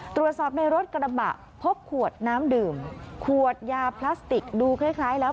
ตรวจสอบในรถกระบะพบขวดน้ำดื่มขวดยาพลาสติกดูคล้ายแล้ว